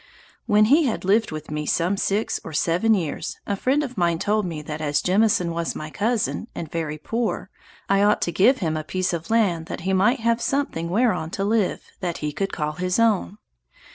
When he had lived with me some six or seven years, a friend of mine told me that as Jemison was my cousin, and very poor, I ought to give him a piece of land that he might have something whereon to live, that he would call his own.